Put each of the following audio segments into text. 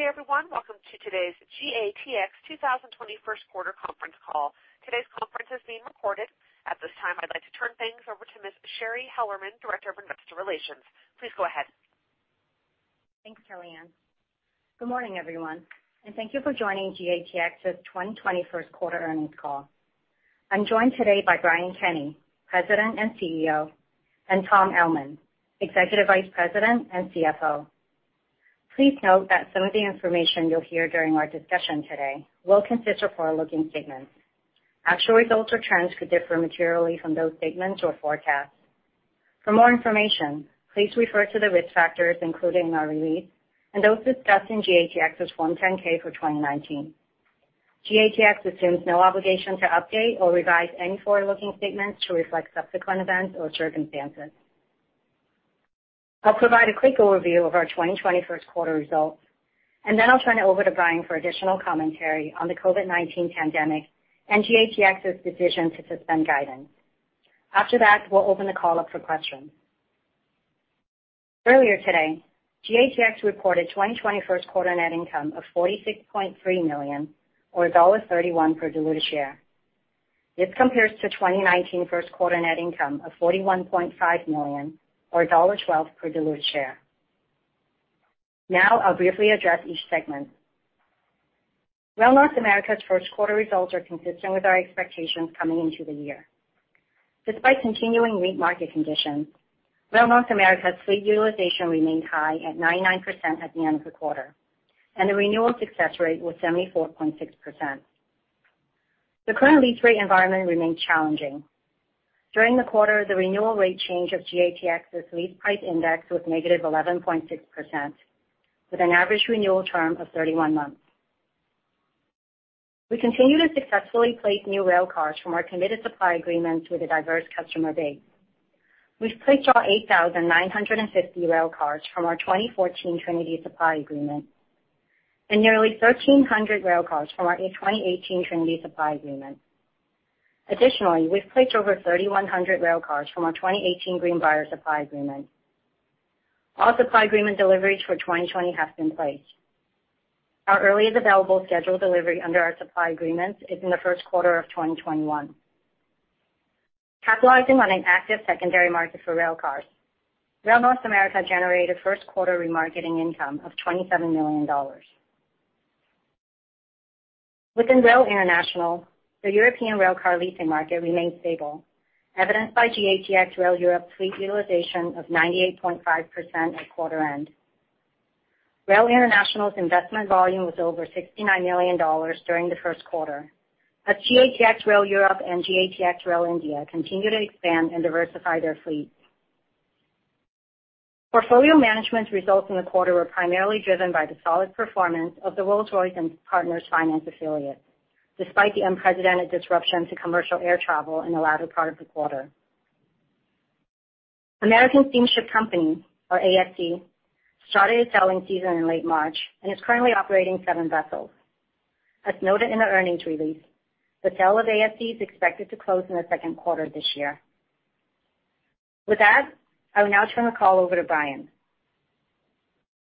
Good day, everyone. Welcome to today's GATX 2020 first quarter conference call. Today's conference is being recorded. At this time, I'd like to turn things over to Miss Shari Hellerman, Director of Investor Relations. Please go ahead. Thanks, Kellyanne. Good morning, everyone. Thank you for joining GATX's 2020 first quarter earnings call. I'm joined today by Brian Kenney, President and CEO, and Tom Ellman, Executive Vice President and CFO. Please note that some of the information you'll hear during our discussion today will consist of forward-looking statements. Actual results or trends could differ materially from those statements or forecasts. For more information, please refer to the risk factors included in our release and those discussed in GATX's Form 10-K for 2019. GATX assumes no obligation to update or revise any forward-looking statements to reflect subsequent events or circumstances. I'll provide a quick overview of our 2020 first quarter results, and then I'll turn it over to Brian for additional commentary on the COVID-19 pandemic and GATX's decision to suspend guidance. After that, we'll open the call up for questions. Earlier today, GATX reported 2020 first quarter net income of $46.3 million, or $1.31 per diluted share. This compares to 2019 first quarter net income of $41.5 million, or $1.12 per diluted share. I'll briefly address each segment. Rail North America's first quarter results are consistent with our expectations coming into the year. Despite continuing weak market conditions, Rail North America's fleet utilization remained high at 99% at the end of the quarter, and the renewal success rate was 74.6%. The current lease rate environment remains challenging. During the quarter, the renewal rate change of GATX's lease price index was -11.6%, with an average renewal term of 31 months. We continue to successfully place new rail cars from our committed supply agreements with a diverse customer base. We've placed our 8,950 rail cars from our 2014 Trinity supply agreement and nearly 1,300 rail cars from our 2018 Trinity supply agreement. Additionally, we've placed over 3,100 rail cars from our 2018 Greenbrier supply agreement. All supply agreement deliveries for 2020 have been placed. Our earliest available scheduled delivery under our supply agreements is in the first quarter of 2021. Capitalizing on an active secondary market for rail cars, Rail North America generated first quarter remarketing income of $27 million. Within Rail International, the European railcar leasing market remains stable, evidenced by GATX Rail Europe fleet utilization of 98.5% at quarter end. Rail International's investment volume was over $69 million during the first quarter, as GATX Rail Europe and GATX Rail India continue to expand and diversify their fleets. Portfolio Management results in the quarter were primarily driven by the solid performance of the Rolls-Royce & Partners Finance affiliate, despite the unprecedented disruption to commercial air travel in the latter part of the quarter. American Steamship Company, or ASC, started its selling season in late March and is currently operating seven vessels. As noted in the earnings release, the sale of ASC is expected to close in the second quarter this year. With that, I will now turn the call over to Brian.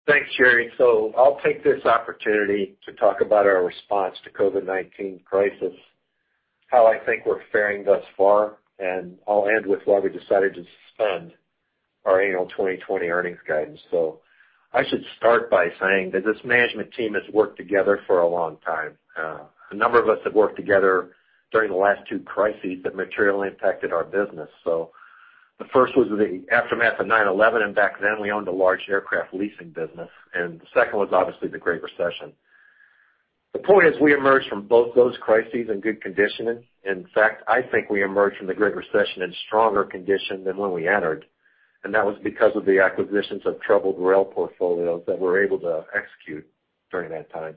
Thanks, Shari. I'll take this opportunity to talk about our response to COVID-19 crisis, how I think we're faring thus far, and I'll end with why we decided to suspend our annual 2020 earnings guidance. I should start by saying that this management team has worked together for a long time. A number of us have worked together during the last two crises that materially impacted our business. The first was the aftermath of 9/11, and back then we owned a large aircraft leasing business, and the second was obviously the Great Recession. The point is, we emerged from both those crises in good condition. In fact, I think we emerged from the Great Recession in stronger condition than when we entered, and that was because of the acquisitions of troubled rail portfolios that we were able to execute during that time.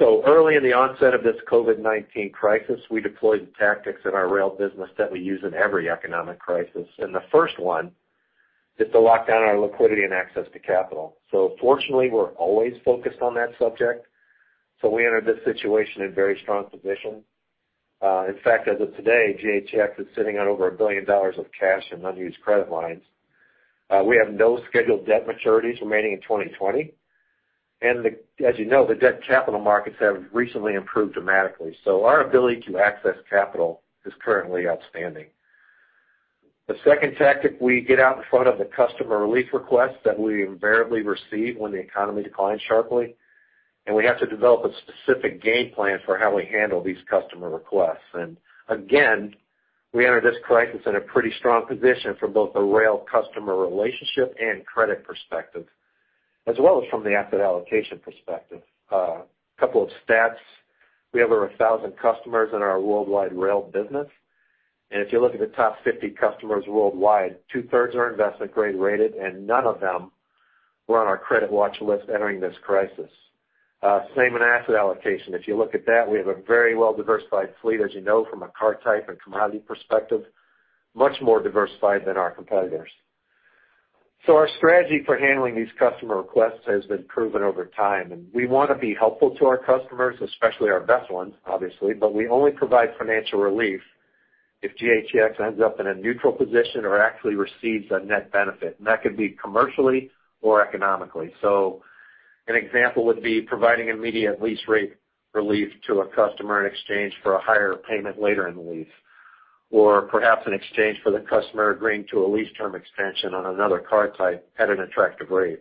Early in the onset of this COVID-19 crisis, we deployed the tactics in our rail business that we use in every economic crisis, and the first one is to lock down our liquidity and access to capital. Fortunately, we're always focused on that subject, so we entered this situation in very strong position. In fact, as of today, GATX is sitting on over $1 billion of cash and unused credit lines. We have no scheduled debt maturities remaining in 2020. As you know, the debt capital markets have recently improved dramatically, so our ability to access capital is currently outstanding. The second tactic, we get out in front of the customer release requests that we invariably receive when the economy declines sharply, and we have to develop a specific game plan for how we handle these customer requests. Again, we entered this crisis in a pretty strong position from both a rail customer relationship and credit perspective, as well as from the asset allocation perspective. A couple of stats. We have over 1,000 customers in our worldwide rail business, and if you look at the top 50 customers worldwide, two-thirds are investment grade rated, and none of them were on our credit watch list entering this crisis. Same in asset allocation. If you look at that, we have a very well-diversified fleet, as you know, from a car type and commodity perspective, much more diversified than our competitors. Our strategy for handling these customer requests has been proven over time, and we want to be helpful to our customers, especially our best ones, obviously, but we only provide financial relief if GATX ends up in a neutral position or actually receives a net benefit, and that could be commercially or economically. An example would be providing immediate lease rate relief to a customer in exchange for a higher payment later in the lease, or perhaps in exchange for the customer agreeing to a lease term extension on another car type at an attractive rate.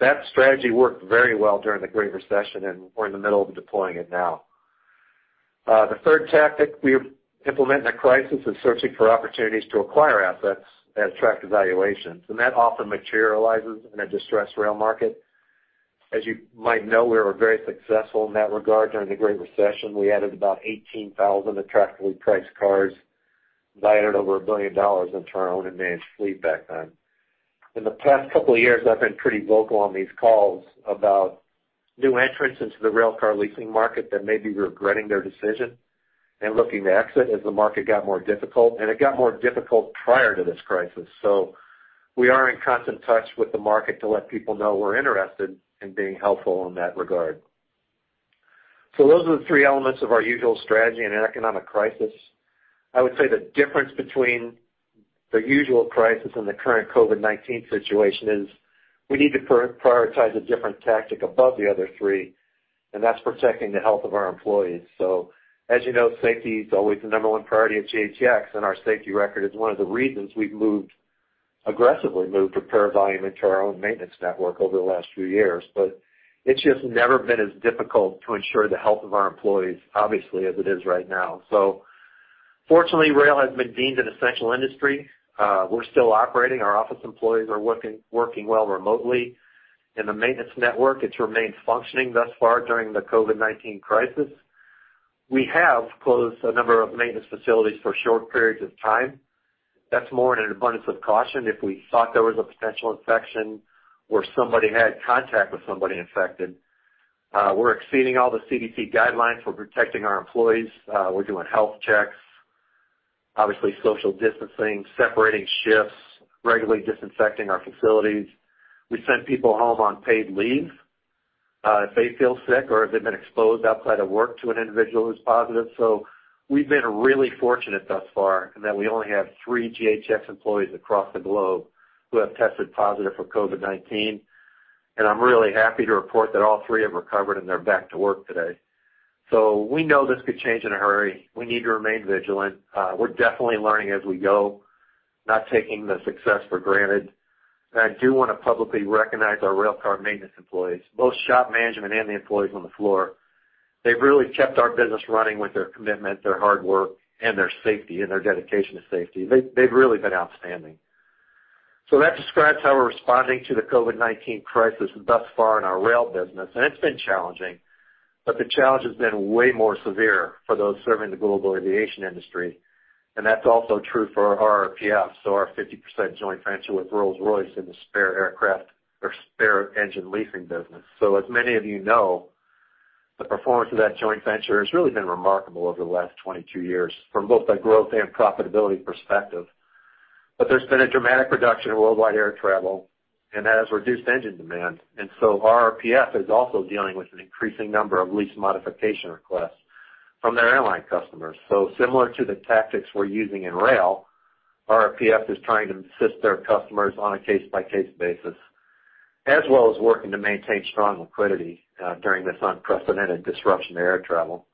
That strategy worked very well during the Great Recession, and we're in the middle of deploying it now. The third tactic we implement in a crisis is searching for opportunities to acquire assets at attractive valuations, and that often materializes in a distressed rail market. As you might know, we were very successful in that regard during the Great Recession. We added about 18,000 attractively priced cars and added over $1 billion into our own managed fleet back then. In the past couple of years, I've been pretty vocal on these calls about new entrants into the railcar leasing market that may be regretting their decision and looking to exit as the market got more difficult, and it got more difficult prior to this crisis. We are in constant touch with the market to let people know we're interested in being helpful in that regard. Those are the three elements of our usual strategy in an economic crisis. I would say the difference between the usual crisis and the current COVID-19 situation is we need to prioritize a different tactic above the other three, and that's protecting the health of our employees. As you know, safety is always the number one priority at GATX, and our safety record is one of the reasons we've aggressively moved to pair volume into our own maintenance network over the last few years. It's just never been as difficult to ensure the health of our employees, obviously, as it is right now. Fortunately, rail has been deemed an essential industry. We're still operating. Our office employees are working well remotely. In the maintenance network, it remains functioning thus far during the COVID-19 crisis. We have closed a number of maintenance facilities for short periods of time. That's more in an abundance of caution if we thought there was a potential infection or somebody had contact with somebody infected. We're exceeding all the CDC guidelines for protecting our employees. We're doing health checks, obviously social distancing, separating shifts, regularly disinfecting our facilities. We send people home on paid leave if they feel sick or if they've been exposed outside of work to an individual who's positive. We've been really fortunate thus far in that we only have three GATX employees across the globe who have tested positive for COVID-19, and I'm really happy to report that all three have recovered and they're back to work today. We know this could change in a hurry. We need to remain vigilant. We're definitely learning as we go, not taking the success for granted. I do want to publicly recognize our railcar maintenance employees, both shop management and the employees on the floor. They've really kept our business running with their commitment, their hard work, and their safety and their dedication to safety. They've really been outstanding. That describes how we're responding to the COVID-19 crisis thus far in our rail business, and it's been challenging, but the challenge has been way more severe for those serving the global aviation industry, and that's also true for RPF, our 50% joint venture with Rolls-Royce in the spare aircraft or spare engine leasing business. As many of you know, the performance of that joint venture has really been remarkable over the last 22 years, from both a growth and profitability perspective. There's been a dramatic reduction in worldwide air travel, and that has reduced engine demand. RPF is also dealing with an increasing number of lease modification requests from their airline customers. Similar to the tactics we're using in rail, RPF is trying to assist their customers on a case-by-case basis, as well as working to maintain strong liquidity during this unprecedented disruption to air travel.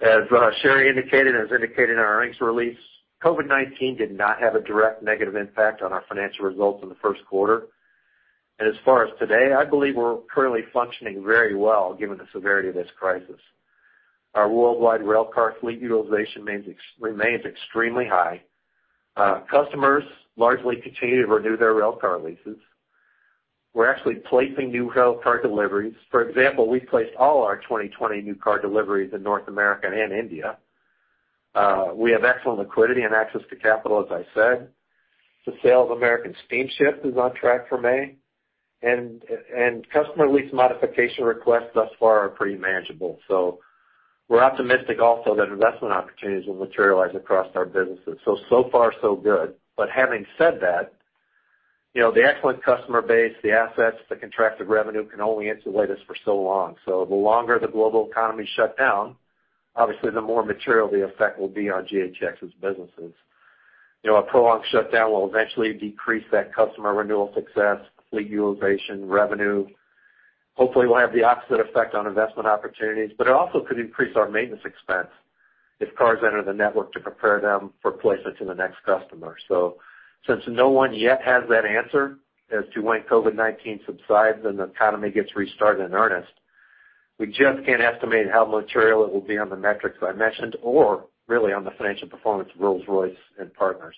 As Shari indicated, as indicated in our earnings release, COVID-19 did not have a direct negative impact on our financial results in the first quarter. As far as today, I believe we're currently functioning very well given the severity of this crisis. Our worldwide railcar fleet utilization remains extremely high. Customers largely continue to renew their railcar leases. We're actually placing new railcar deliveries. For example, we placed all our 2020 new car deliveries in North America and India. We have excellent liquidity and access to capital, as I said. The sale of American Steamship is on track for May, and customer lease modification requests thus far are pretty manageable. We're optimistic also that investment opportunities will materialize across our businesses. So far so good. Having said that, the excellent customer base, the assets, the contracted revenue can only insulate us for so long. The longer the global economy is shut down, obviously the more material the effect will be on GATX as businesses. A prolonged shutdown will eventually decrease that customer renewal success, fleet utilization, revenue. Hopefully, we'll have the opposite effect on investment opportunities, but it also could increase our maintenance expense if cars enter the network to prepare them for placement to the next customer. Since no one yet has that answer as to when COVID-19 subsides and the economy gets restarted in earnest, we just can't estimate how material it will be on the metrics I mentioned or really on the financial performance of Rolls-Royce and Partners.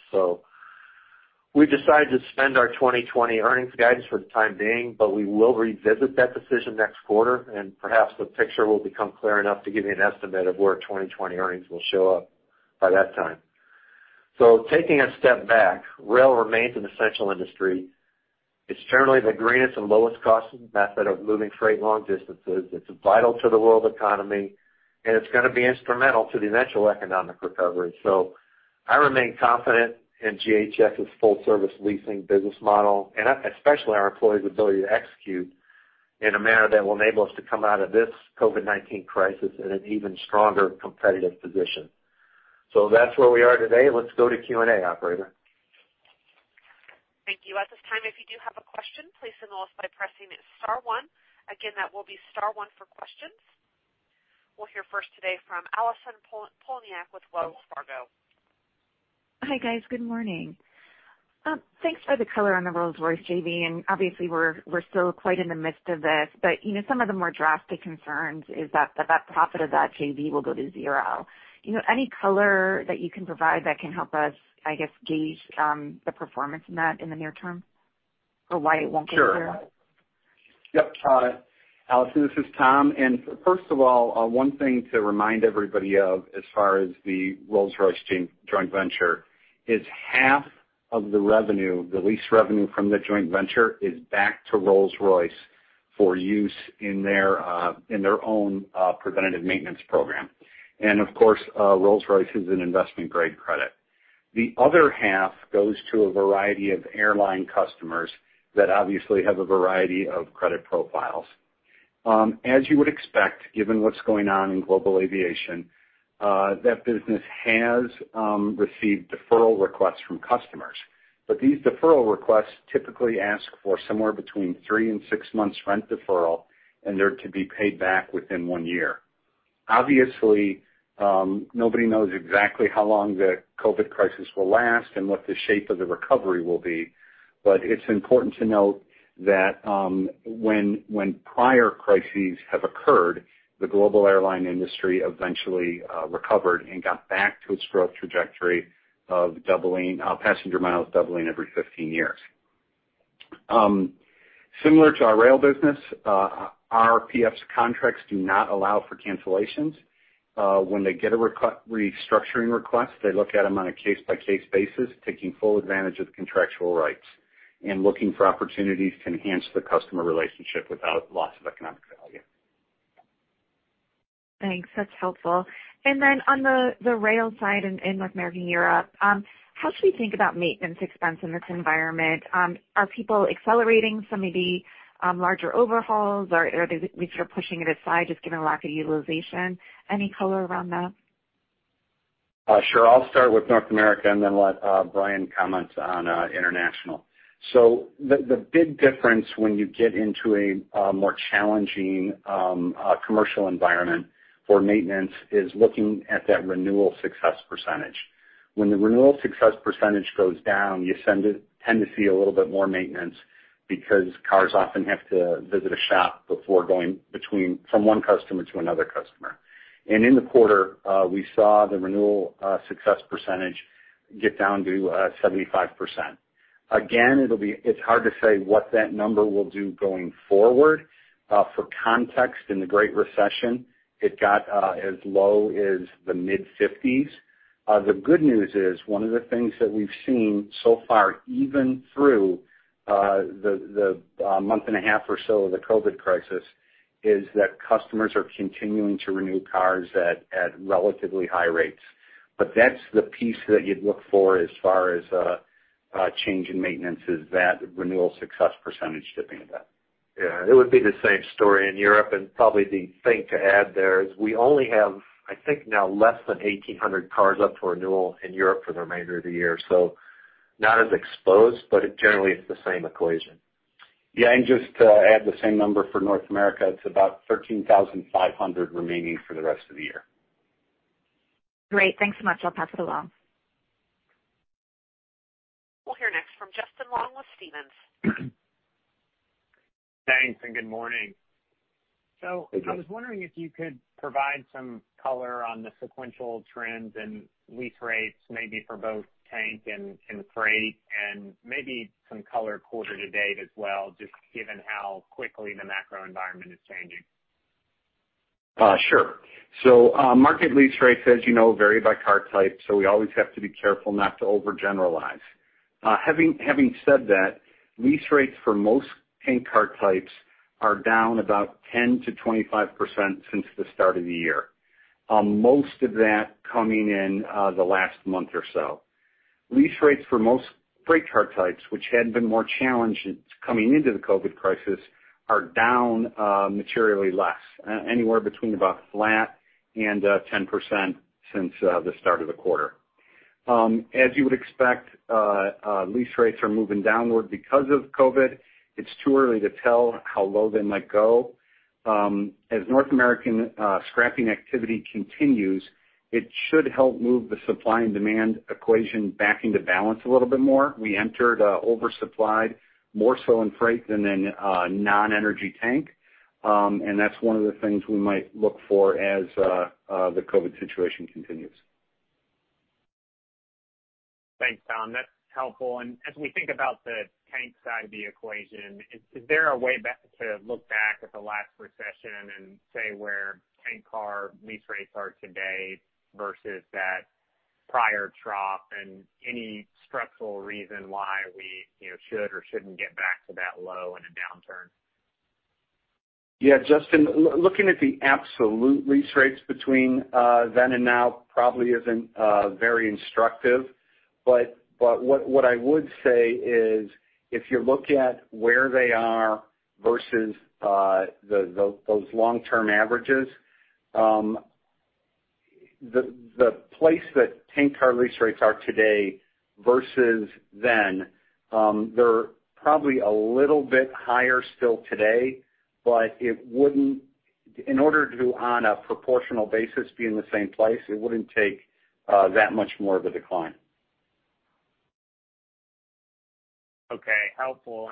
We decided to suspend our 2020 earnings guidance for the time being, but we will revisit that decision next quarter, and perhaps the picture will become clear enough to give you an estimate of where 2020 earnings will show up by that time. Taking a step back, rail remains an essential industry. It's generally the greenest and lowest cost method of moving freight long distances. It's vital to the world economy, and it's going to be instrumental to the eventual economic recovery. I remain confident in GATX's full-service leasing business model, and especially our employees' ability to execute In a manner that will enable us to come out of this COVID-19 crisis in an even stronger competitive position. That's where we are today. Let's go to Q&A, operator. Thank you. At this time, if you do have a question, please signal us by pressing star one. Again, that will be star one for questions. We'll hear first today from Allison Poliniak with Wells Fargo. Hi, guys. Good morning. Thanks for the color on the Rolls-Royce JV, and obviously, we're still quite in the midst of this, but some of the more drastic concerns is that the net profit of that JV will go to zero. Any color that you can provide that can help us, I guess, gauge the performance in that in the near term, or why it won't get zero? Sure. Yep, Allison, this is Tom. First of all, one thing to remind everybody of as far as the Rolls-Royce joint venture is half of the lease revenue from the joint venture is back to Rolls-Royce for use in their own preventative maintenance program. Of course, Rolls-Royce is an investment-grade credit. The other half goes to a variety of airline customers that obviously have a variety of credit profiles. As you would expect, given what's going on in global aviation, that business has received deferral requests from customers. These deferral requests typically ask for somewhere between three and six months rent deferral, and they're to be paid back within one year. Obviously, nobody knows exactly how long the COVID crisis will last and what the shape of the recovery will be. It's important to note that when prior crises have occurred, the global airline industry eventually recovered and got back to its growth trajectory of passenger miles doubling every 15 years. Similar to our rail business, our RPF's contracts do not allow for cancellations. When they get a restructuring request, they look at them on a case-by-case basis, taking full advantage of the contractual rights and looking for opportunities to enhance the customer relationship without loss of economic value. Thanks. That's helpful. On the rail side in North America and Europe, how should we think about maintenance expense in this environment? Are people accelerating some of the larger overhauls, or are they sort of pushing it aside, just given the lack of utilization? Any color around that? Sure. I'll start with North America and then let Brian comment on international. The big difference when you get into a more challenging commercial environment for maintenance is looking at that renewal success percentage. When the renewal success percentage goes down, you tend to see a little bit more maintenance because cars often have to visit a shop before going from one customer to another customer. In the quarter, we saw the renewal success percentage get down to 75%. Again, it's hard to say what that number will do going forward. For context, in the Great Recession, it got as low as the mid-50s. The good news is one of the things that we've seen so far, even through the month and a half or so of the COVID crisis, is that customers are continuing to renew cars at relatively high rates. That's the piece that you'd look for as far as a change in maintenance, is that renewal success percentage dipping a bit. Yeah, it would be the same story in Europe, and probably the thing to add there is we only have, I think, now less than 1,800 cars up for renewal in Europe for the remainder of the year. Not as exposed, but generally it's the same equation. Yeah, just to add the same number for North America, it's about 13,500 remaining for the rest of the year. Great. Thanks so much. I'll pass it along. We'll hear next from Justin Long with Stephens. Thanks, and good morning. Thank you. I was wondering if you could provide some color on the sequential trends and lease rates, maybe for both tank and freight, and maybe some color quarter to date as well, just given how quickly the macro environment is changing. Sure. Market lease rates, as you know, vary by car type, so we always have to be careful not to overgeneralize. Having said that, lease rates for most tank car types are down about 10%-25% since the start of the year. Most of that coming in the last month or so. Lease rates for most freight car types, which had been more challenged coming into the COVID crisis, are down materially less, anywhere between about flat and 10% since the start of the quarter. As you would expect, lease rates are moving downward because of COVID. It's too early to tell how low they might go. As North American scrapping activity continues, it should help move the supply and demand equation back into balance a little bit more. We entered oversupplied more so in freight than in non-energy tank. That's one of the things we might look for as the COVID situation continues. Thanks, Tom. That's helpful. As we think about the tank side of the equation, is there a way to look back at the last recession and say where tank car lease rates are today versus that prior trough, and any structural reason why we should or shouldn't get back to that low in a downturn? Yeah, Justin, looking at the absolute lease rates between then and now probably isn't very instructive. What I would say is, if you look at where they are versus those long-term averages, the place that tank car lease rates are today versus then, they're probably a little bit higher still today, but in order to, on a proportional basis, be in the same place, it wouldn't take that much more of a decline. Okay. Helpful.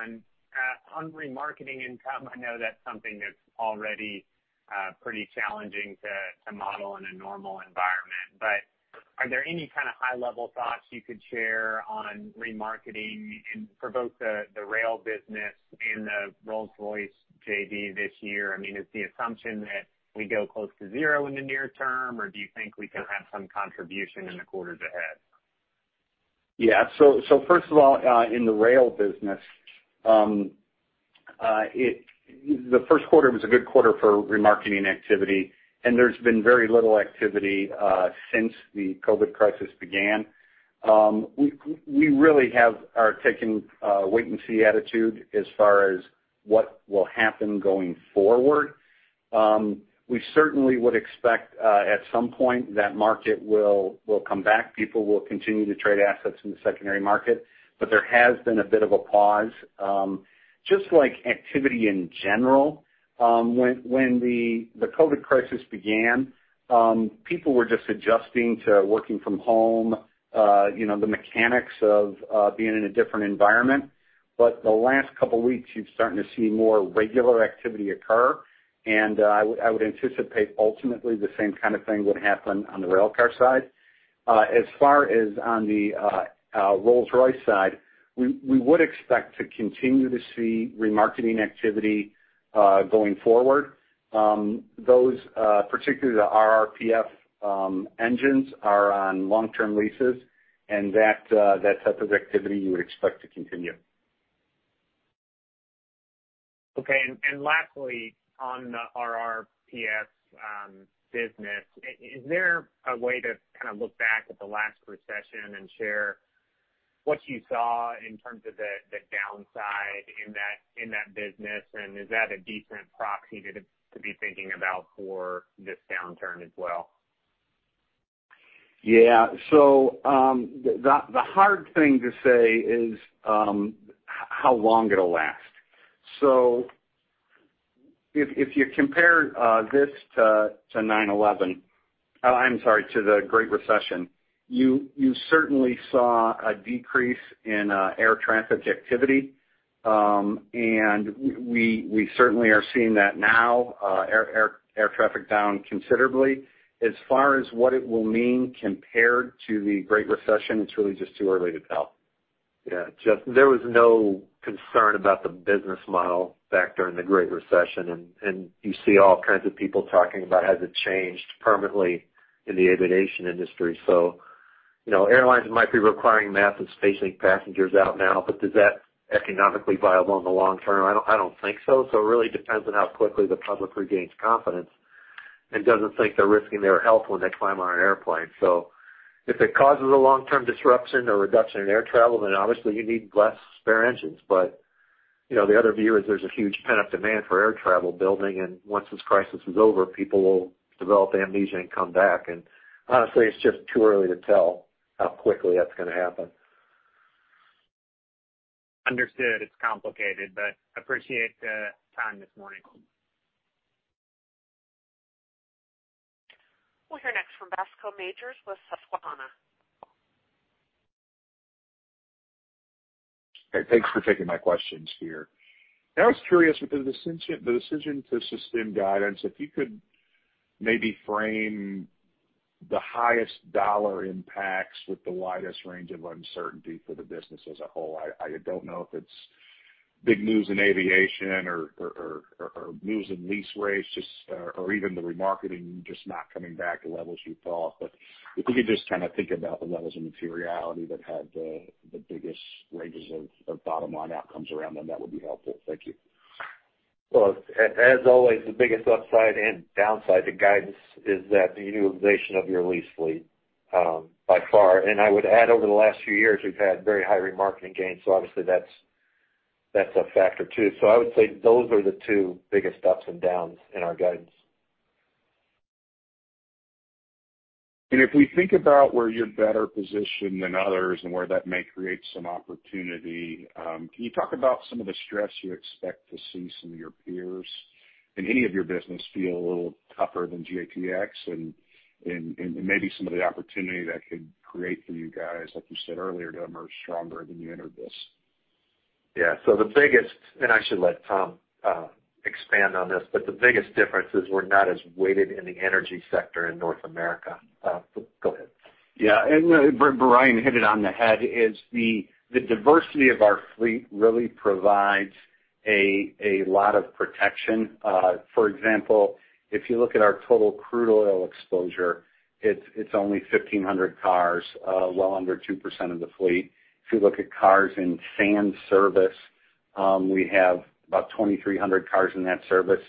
On remarketing income, I know that's something that's already pretty challenging to model in a normal environment, but are there any kind of high level thoughts you could share on remarketing and for both the rail business and the Rolls-Royce JV this year? Is the assumption that we go close to zero in the near term, or do you think we can have some contribution in the quarters ahead? Yeah. First of all, in the rail business, the first quarter was a good quarter for remarketing activity, and there's been very little activity since the COVID crisis began. We really are taking a wait and see attitude as far as what will happen going forward. We certainly would expect, at some point, that market will come back. People will continue to trade assets in the secondary market, but there has been a bit of a pause. Just like activity in general, when the COVID crisis began, people were just adjusting to working from home, the mechanics of being in a different environment. The last couple of weeks, you're starting to see more regular activity occur, and I would anticipate, ultimately, the same kind of thing would happen on the railcar side. As far as on the Rolls-Royce side, we would expect to continue to see remarketing activity going forward. Those, particularly the RPF engines, are on long-term leases, and that type of activity you would expect to continue. Okay. Lastly, on the RPF business, is there a way to look back at the last recession and share what you saw in terms of the downside in that business, and is that a decent proxy to be thinking about for this downturn as well? Yeah. The hard thing to say is how long it'll last. If you compare this to the Great Recession, you certainly saw a decrease in air transit activity, and we certainly are seeing that now, air traffic down considerably. As far as what it will mean compared to the Great Recession, it's really just too early to tell. Yeah. Justin, there was no concern about the business model back during the Great Recession. You see all kinds of people talking about has it changed permanently in the aviation industry. Airlines might be requiring masks and spacing passengers out now, but is that economically viable in the long term? I don't think so. It really depends on how quickly the public regains confidence and doesn't think they're risking their health when they climb on an airplane. If it causes a long-term disruption or reduction in air travel, then obviously you need less spare engines. The other view is there's a huge pent-up demand for air travel building, and once this crisis is over, people will develop amnesia and come back. Honestly, it's just too early to tell how quickly that's going to happen. Understood. It's complicated, but appreciate the time this morning. We'll hear next from Bascome Majors with Susquehanna. Hey, thanks for taking my questions here. I was curious with the decision to suspend guidance, if you could maybe frame the highest dollar impacts with the widest range of uncertainty for the business as a whole. I don't know if it's big news in aviation or news in lease rates, or even the remarketing just not coming back to levels you thought. If you could just think about the levels of materiality that had the biggest ranges of bottom line outcomes around them, that would be helpful. Thank you. Well, as always, the biggest upside and downside to guidance is that the utilization of your lease fleet by far, and I would add over the last few years, we've had very high remarketing gains, so obviously that's a factor too. I would say those are the two biggest ups and downs in our guidance. If we think about where you're better positioned than others and where that may create some opportunity, can you talk about some of the stress you expect to see some of your peers in any of your business feel a little tougher than GATX and maybe some of the opportunity that could create for you guys, like you said earlier, to emerge stronger than you entered this? Yeah. I should let Tom expand on this, the biggest difference is we're not as weighted in the energy sector in North America. Go ahead. Yeah. Brian hit it on the head, is the diversity of our fleet really provides a lot of protection. For example, if you look at our total crude oil exposure, it's only 1,500 cars, well under 2% of the fleet. If you look at cars in sand service. We have about 2,300 cars in that service.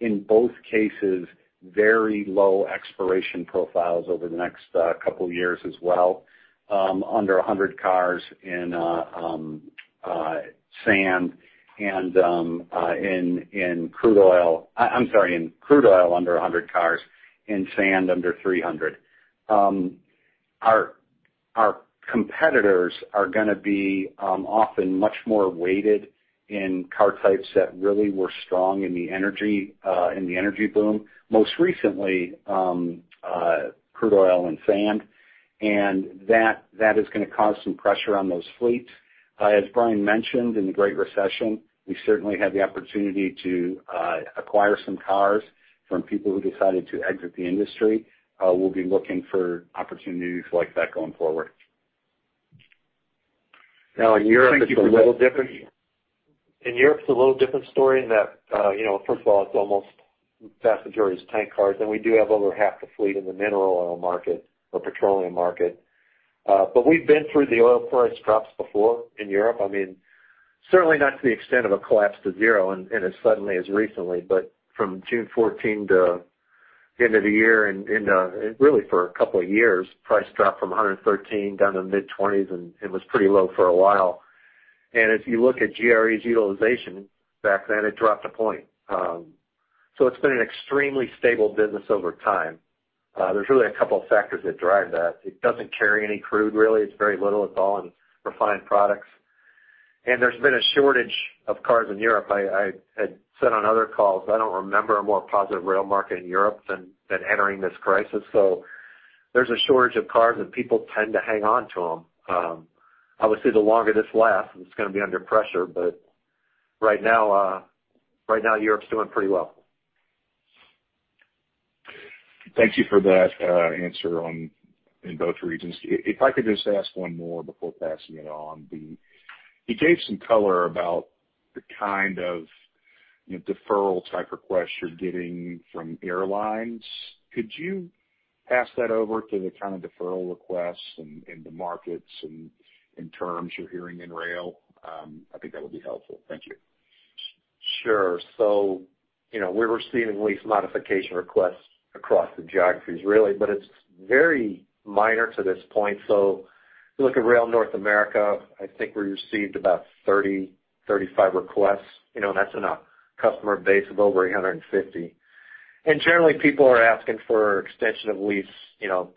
In both cases, very low expiration profiles over the next couple of years as well, under 100 cars in crude oil, under 100 cars in sand, under 300. Our competitors are going to be often much more weighted in car types that really were strong in the energy boom, most recently, crude oil and sand, and that is going to cause some pressure on those fleets. As Brian mentioned, in the Great Recession, we certainly had the opportunity to acquire some cars from people who decided to exit the industry. We'll be looking for opportunities like that going forward. In Europe it's a little different. In Europe it's a little different story in that, first of all, it's almost vast majority is tank cars, and we do have over half the fleet in the mineral oil market or petroleum market. We've been through the oil price drops before in Europe. Certainly not to the extent of a collapse to zero and as suddenly as recently, from June 2014 to end of the year, and really for a couple of years, price dropped from $113 down to $mid-20s, and it was pretty low for a while. If you look at GATX's utilization back then, it dropped a point. It's been an extremely stable business over time. There's really a couple of factors that drive that. It doesn't carry any crude, really. It's very little. It's all in refined products. There's been a shortage of cars in Europe. I had said on other calls, I don't remember a more positive rail market in Europe than entering this crisis. There's a shortage of cars, and people tend to hang on to them. I would say the longer this lasts, it's going to be under pressure, but right now Europe's doing pretty well. Thank you for that answer on both regions. If I could just ask one more before passing it on. You gave some color about the kind of deferral type requests you're getting from airlines. Could you pass that over to the kind of deferral requests and the markets and terms you're hearing in rail? I think that would be helpful. Thank you. Sure. We're receiving lease modification requests across the geographies, really, but it's very minor to this point. If you look at Rail North America, I think we received about 30, 35 requests. That's in a customer base of over 150. Generally, people are asking for extension of lease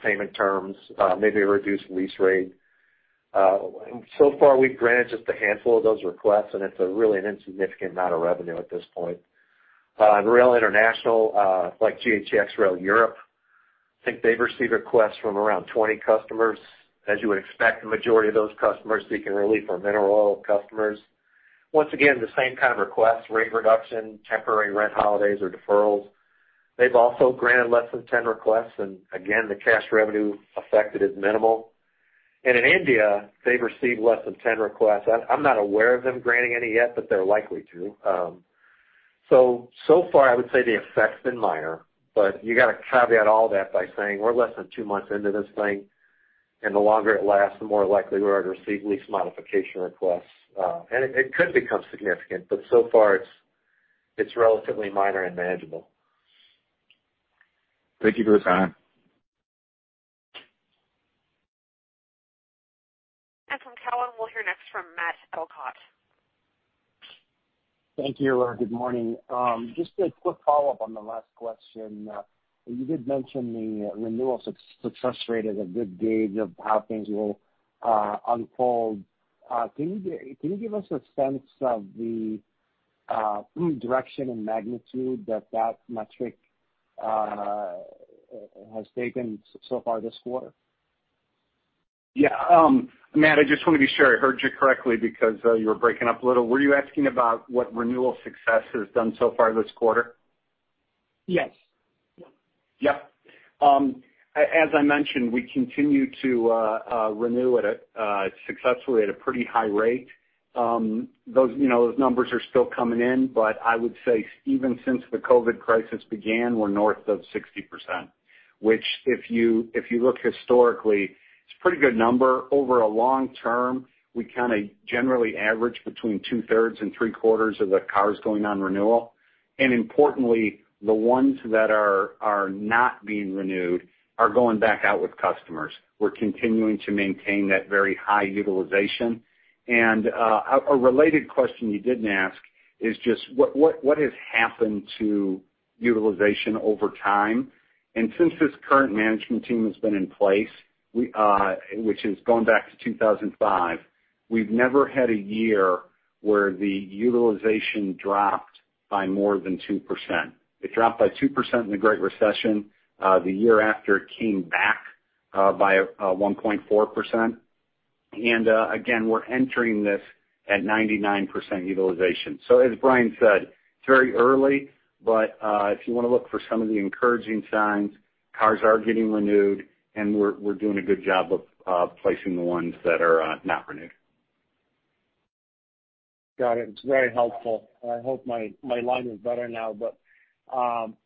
payment terms, maybe a reduced lease rate. So far, we've granted just a handful of those requests, and it's really an insignificant amount of revenue at this point. In Rail International, like GATX Rail Europe, I think they've received requests from around 20 customers. As you would expect, the majority of those customers seeking relief are mineral oil customers. Once again, the same kind of requests, rate reduction, temporary rent holidays or deferrals. They've also granted less than 10 requests, and again, the cash revenue affected is minimal. In India, they've received less than 10 requests. I'm not aware of them granting any yet, but they're likely to. So far I would say the effect's been minor, but you got to caveat all that by saying we're less than two months into this thing, and the longer it lasts, the more likely we are to receive lease modification requests. It could become significant, but so far it's relatively minor and manageable. Thank you for the time. From Cowen, we'll hear next from Matt Elkott. Thank you. Good morning. Just a quick follow-up on the last question. You did mention the renewal success rate is a good gauge of how things will unfold. Can you give us a sense of the direction and magnitude that that metric has taken so far this quarter? Yeah. Matt, I just want to be sure I heard you correctly because you were breaking up a little. Were you asking about what renewal success has done so far this quarter? Yes. Yep. As I mentioned, we continue to renew it successfully at a pretty high rate. Those numbers are still coming in, but I would say even since the COVID crisis began, we're north of 60%, which, if you look historically, it's a pretty good number. Over a long term, we kind of generally average between two-thirds and three-quarters of the cars going on renewal. Importantly, the ones that are not being renewed are going back out with customers. We're continuing to maintain that very high utilization. A related question you didn't ask is just what has happened to utilization over time? Since this current management team has been in place, which is going back to 2005, we've never had a year where the utilization dropped by more than 2%. It dropped by 2% in the Great Recession. The year after, it came back by 1.4%. Again, we're entering this at 99% utilization. As Brian said, it's very early, but if you want to look for some of the encouraging signs, cars are getting renewed, and we're doing a good job of placing the ones that are not renewed. Got it. It is very helpful. I hope my line is better now. On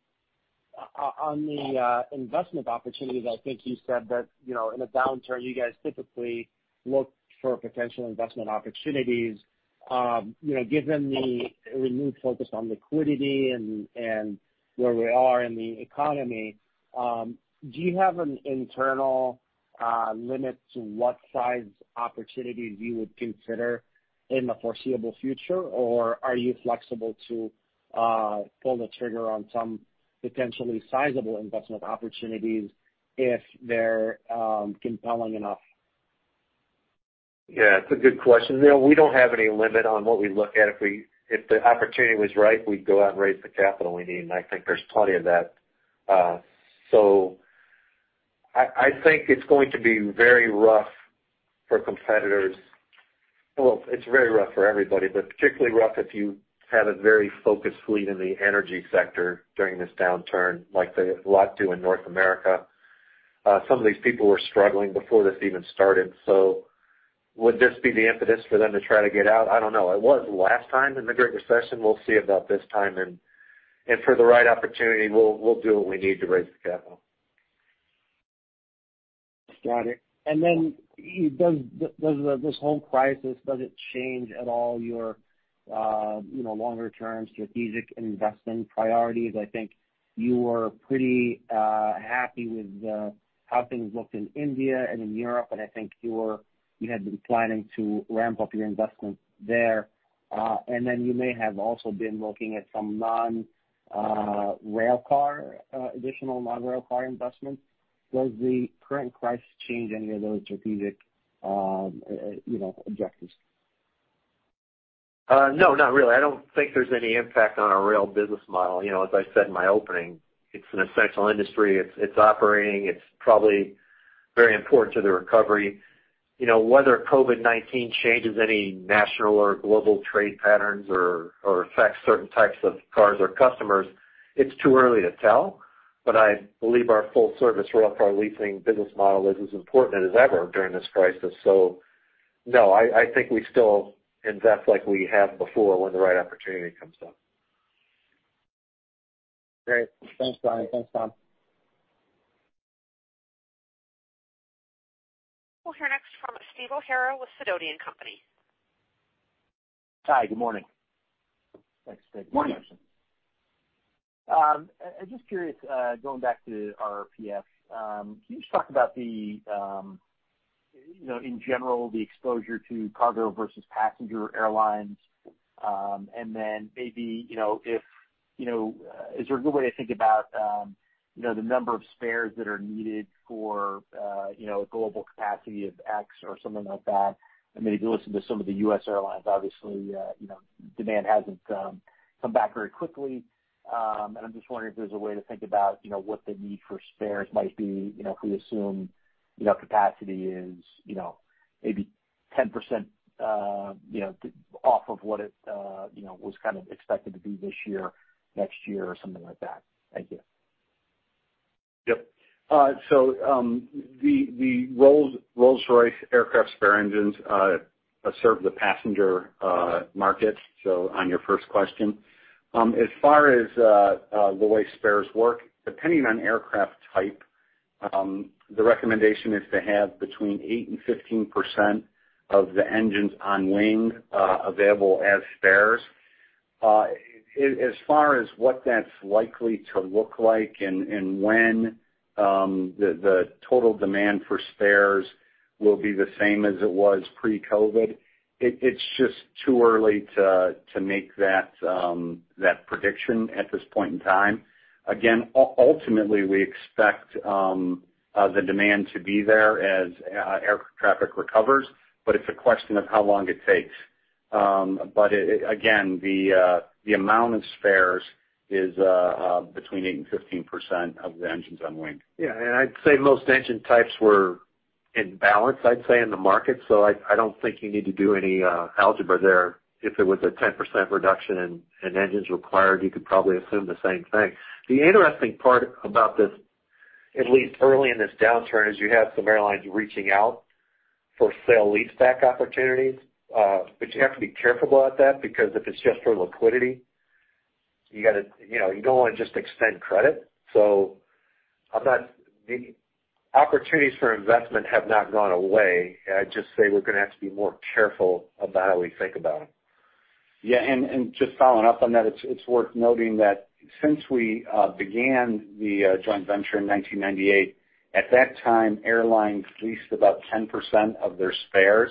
the investment opportunities, I think you said that in a downturn, you guys typically look for potential investment opportunities. Given the renewed focus on liquidity and where we are in the economy, do you have an internal limit to what size opportunities you would consider in the foreseeable future? Are you flexible to pull the trigger on some potentially sizable investment opportunities if they are compelling enough? Yeah. It's a good question. We don't have any limit on what we look at. If the opportunity was right, we'd go out and raise the capital we need, and I think there's plenty of that. I think it's going to be very rough for competitors. Well, it's very rough for everybody, but particularly rough if you had a very focused fleet in the energy sector during this downturn, like a lot do in North America. Some of these people were struggling before this even started. Would this be the impetus for them to try to get out? I don't know. It was last time in the Great Recession. We'll see about this time, and for the right opportunity, we'll do what we need to raise the capital. Got it. This whole crisis, does it change at all your longer-term strategic investment priorities? I think you were pretty happy with how things looked in India and in Europe, and I think you had been planning to ramp up your investments there. You may have also been looking at some additional non-railcar investments. Does the current crisis change any of those strategic objectives? No, not really. I don't think there's any impact on our rail business model. As I said in my opening, it's an essential industry. It's operating. It's probably very important to the recovery. Whether COVID-19 changes any national or global trade patterns or affects certain types of cars or customers, it's too early to tell. I believe our full-service railcar leasing business model is as important as ever during this crisis. No, I think we still invest like we have before when the right opportunity comes up. Great. Thanks, Brian. Thanks, Tom. We'll hear next from Steve O'Hara with Sidoti & Company. Hi, good morning. Thanks, Steve. Morning. Just curious, going back to RPF, can you just talk about, in general, the exposure to cargo versus passenger airlines? Maybe, is there a good way to think about the number of spares that are needed for a global capacity of X or something like that? If you listen to some of the U.S. airlines, obviously, demand hasn't come back very quickly. I'm just wondering if there's a way to think about what the need for spares might be if we assume capacity is maybe 10% off of what it was kind of expected to be this year, next year, or something like that. Thank you. Yep. The Rolls-Royce aircraft spare engines serve the passenger market, on your first question. As far as the way spares work, depending on aircraft type, the recommendation is to have between 8% and 15% of the engines on wing available as spares. As far as what that's likely to look like and when the total demand for spares will be the same as it was pre-COVID, it's just too early to make that prediction at this point in time. Again, ultimately, we expect the demand to be there as air traffic recovers, but it's a question of how long it takes. Again, the amount of spares is between 8% and 15% of the engines on wing. Yeah, I'd say most engine types were in balance, I'd say, in the market. I don't think you need to do any algebra there. If it was a 10% reduction in engines required, you could probably assume the same thing. The interesting part about this, at least early in this downturn, is you have some airlines reaching out for sale-leaseback opportunities. You have to be careful about that, because if it's just for liquidity, you don't want to just extend credit. The opportunities for investment have not gone away. I'd just say we're going to have to be more careful about how we think about them. Yeah, just following up on that, it's worth noting that since we began the joint venture in 1998, at that time, airlines leased about 10% of their spares.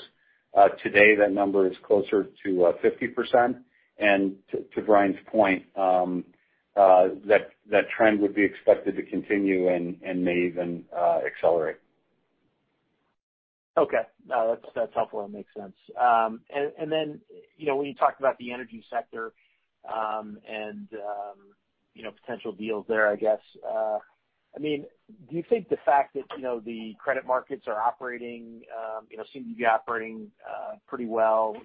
Today, that number is closer to 50%. To Brian's point, that trend would be expected to continue and may even accelerate. Okay. No, that's helpful and makes sense. When you talked about the energy sector, and potential deals there, I guess. Do you think the fact that the credit markets seem to be operating pretty well,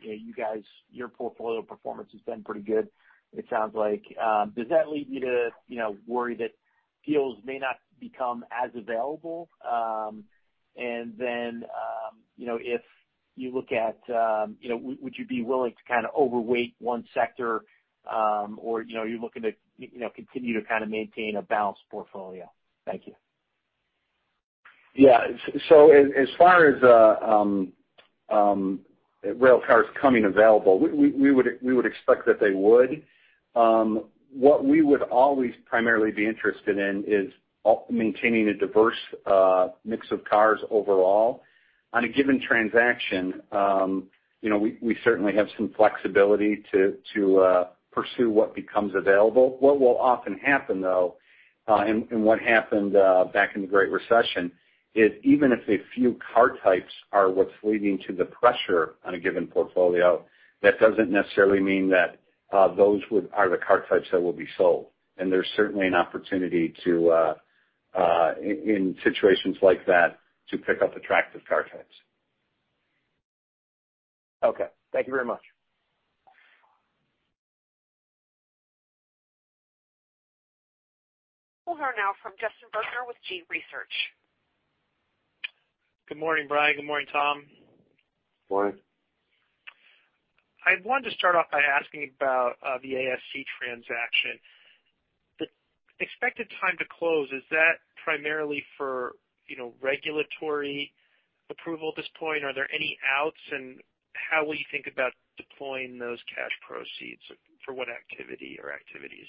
your portfolio performance has been pretty good, it sounds like? Does that lead you to worry that deals may not become as available? Would you be willing to over-weight one sector? Are you looking to continue to maintain a balanced portfolio? Thank you. As far as railcars becoming available, we would expect that they would. What we would always primarily be interested in is maintaining a diverse mix of cars overall. On a given transaction, we certainly have some flexibility to pursue what becomes available. What will often happen, though, and what happened back in the Great Recession, is even if a few car types are what's leading to the pressure on a given portfolio, that doesn't necessarily mean that those are the car types that will be sold. There's certainly an opportunity, in situations like that, to pick up attractive car types. Okay. Thank you very much. We'll hear now from Justin Bergner with Gabelli Research. Good morning, Brian. Good morning, Tom. Morning. I wanted to start off by asking about the ASC transaction. The expected time to close, is that primarily for regulatory approval at this point? Are there any outs, and how will you think about deploying those cash proceeds? For what activity or activities?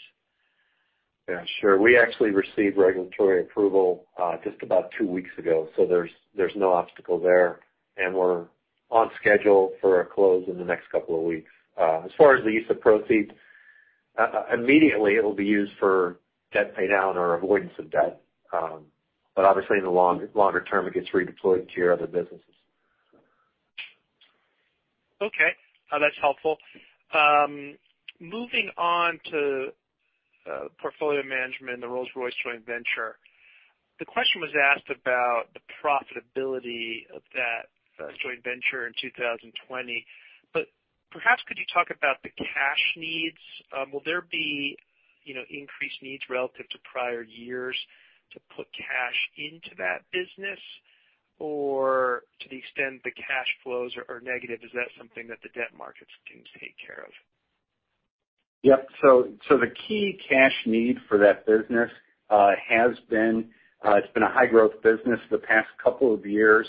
Yeah, sure. We actually received regulatory approval just about two weeks ago, so there's no obstacle there. We're on schedule for a close in the next couple of weeks. As far as the use of proceeds, immediately, it will be used for debt pay down or avoidance of debt. Obviously, in the longer term, it gets redeployed to your other businesses. Okay. That's helpful. Moving on to Portfolio Management and the Rolls-Royce joint venture. The question was asked about the profitability of that joint venture in 2020. Perhaps could you talk about the cash needs? Will there be increased needs relative to prior years to put cash into that business? To the extent the cash flows are negative, is that something that the debt markets can take care of? Yep. The key cash need for that business has been, it's been a high growth business the past couple of years.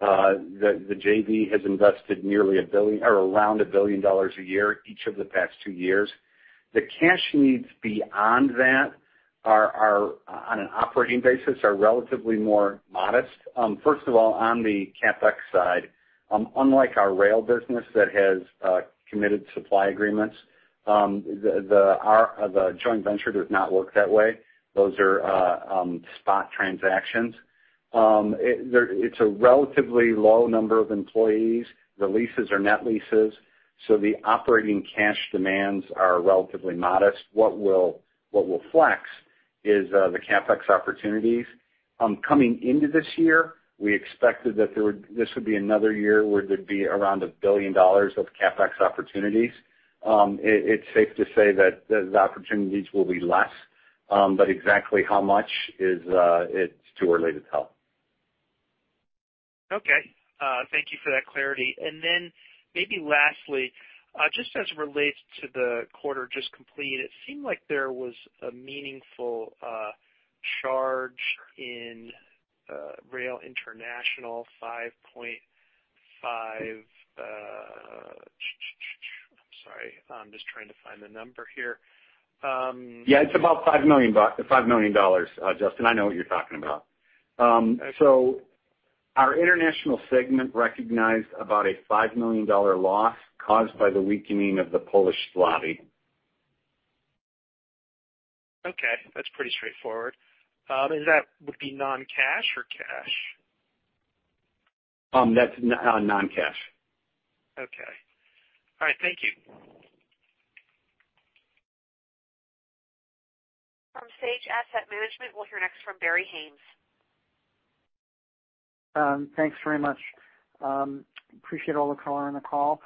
The JV has invested around $1 billion a year each of the past two years. The cash needs beyond that on an operating basis, are relatively more modest. First of all, on the CapEx side, unlike our rail business that has committed supply agreements, the joint venture does not work that way. Those are spot transactions. It's a relatively low number of employees. The leases are net leases, so the operating cash demands are relatively modest. What will flex is the CapEx opportunities. Coming into this year, we expected that this would be another year where there'd be around $1 billion of CapEx opportunities. It's safe to say that those opportunities will be less, but exactly how much is too early to tell. Okay. Thank you for that clarity. Maybe lastly, just as it relates to the quarter just completed, it seemed like there was a meaningful charge in Rail International. I'm sorry, I'm just trying to find the number here. Yeah, it's about $5 million, Justin. I know what you're talking about. Our international segment recognized about a $5 million loss caused by the weakening of the Polish zloty. Okay. That's pretty straightforward. That would be non-cash or cash? That's non-cash. Okay. All right, thank you. From Sage Asset Management, we'll hear next from Barry Haines. Thanks very much. Appreciate all the color on the call.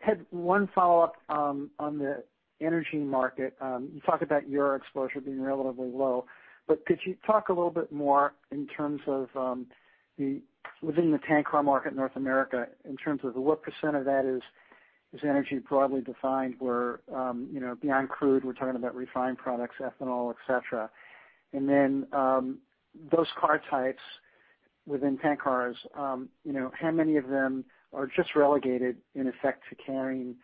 Had one follow-up on the energy market. You talked about your exposure being relatively low. Could you talk a little bit more in terms of within the tank car market in North America, in terms of what % of that is energy broadly defined where, beyond crude, we're talking about refined products, ethanol, et cetera. Those car types within tank cars, how many of them are just relegated, in effect, to carrying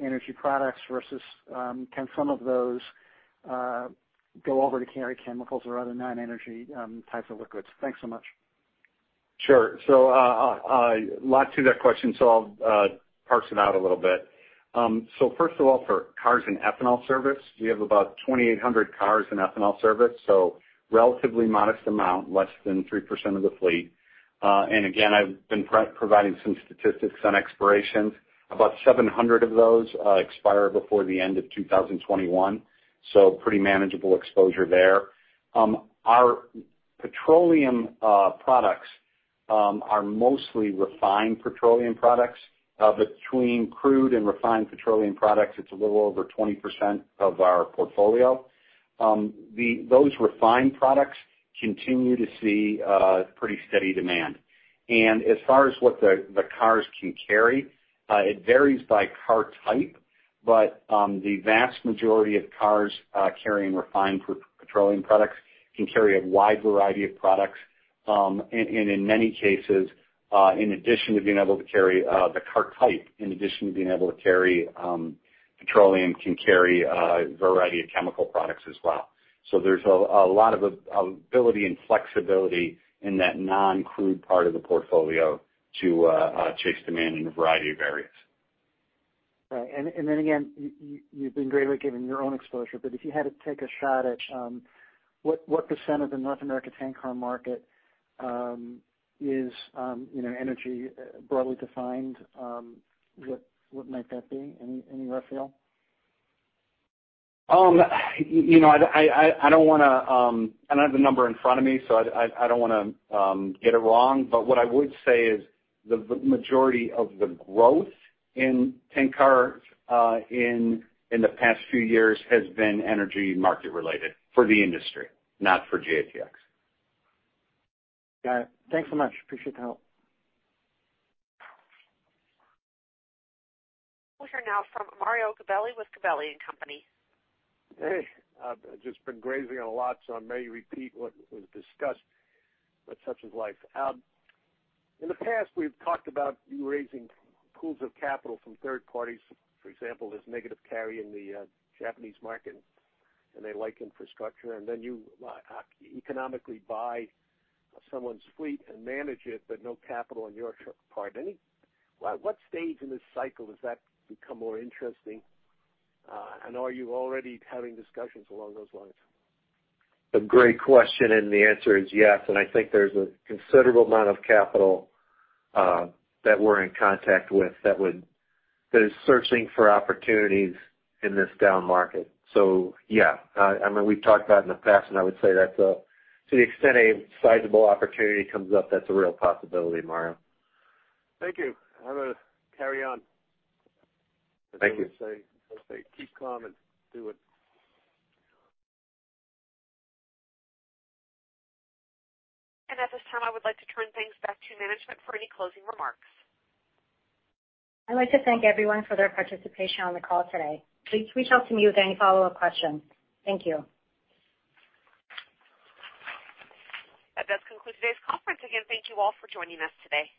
energy products versus can some of those go over to carry chemicals or other non-energy types of liquids? Thanks so much. Sure. A lot to that question, so I'll parse it out a little bit. First of all, for cars and ethanol service, we have about 2,800 cars in ethanol service, so relatively modest amount, less than 3% of the fleet. Again, I've been providing some statistics on expirations. About 700 of those expire before the end of 2021, so pretty manageable exposure there. Our petroleum products are mostly refined petroleum products. Between crude and refined petroleum products, it's a little over 20% of our portfolio. Those refined products continue to see pretty steady demand. As far as what the cars can carry, it varies by car type. The vast majority of cars carrying refined petroleum products can carry a wide variety of products. In many cases, in addition to being able to carry the car type, in addition to being able to carry petroleum, can carry a variety of chemical products as well. There's a lot of ability and flexibility in that non-crude part of the portfolio to chase demand in a variety of areas. Right. Then again, you've been great with giving your own exposure, but if you had to take a shot at what % of the North America tank car market is energy broadly defined what might that be? Any rough feel? I don't have the number in front of me, so I don't want to get it wrong. What I would say is the majority of the growth in tank cars in the past few years has been energy market related for the industry, not for GATX. Got it. Thanks so much. Appreciate the help. We'll hear now from Mario Gabelli with Gabelli & Company. Hey. I've just been grazing on a lot, so I may repeat what was discussed, but such is life. In the past, we've talked about you raising pools of capital from third parties. For example, there's negative carry in the Japanese market, and they like infrastructure, and then you economically buy someone's fleet and manage it, but no capital on your part. At what stage in this cycle does that become more interesting? Are you already having discussions along those lines? A great question. The answer is yes. I think there's a considerable amount of capital that we're in contact with that is searching for opportunities in this down market. Yeah. We've talked about in the past, and I would say that to the extent a sizable opportunity comes up, that's a real possibility, Mario. Thank you. I'm going to carry on. Thank you. As they would say, keep calm and do it. At this time, I would like to turn things back to management for any closing remarks. I'd like to thank everyone for their participation on the call today. Please reach out to me with any follow-up questions. Thank you. That does conclude today's conference. Again, thank you all for joining us today.